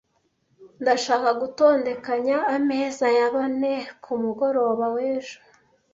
Ndashaka gutondekanya ameza ya bane kumugoroba w'ejo.